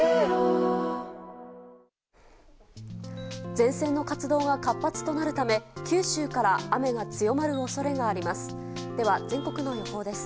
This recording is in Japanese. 前線の活動が活発となるため九州から雨が強まる恐れがあります。